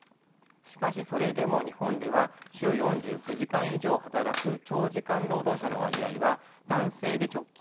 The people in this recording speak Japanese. しかしそれでも日本では週４９時間以上働く長時間労働者の割合は男性で直近でも２割を超えています。